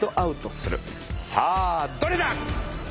さあどれだ？